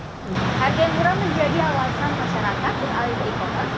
harga yang murah menjadi alasan masyarakat dan alih e commerce